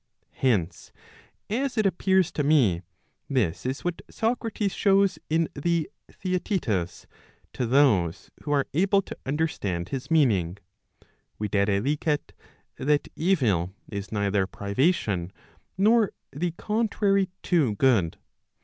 Hence, as it appears to me, this is what Socrates shows in the Theaetetus to those who are able to understand his meaning, viz. that evil is neither privation, nor the contrary to good.